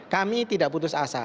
kami tidak putus asa